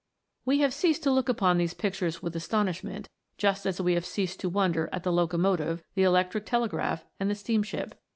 We have ceased to look upon these pictures with asto nishment, just as we have ceased to wonder at the locomotive, the electric telegraph, and the steam ship.